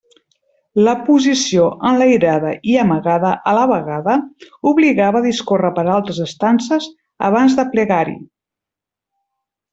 La posició enlairada i amagada a la vegada obligava a discórrer per altres estances abans d'aplegar-hi.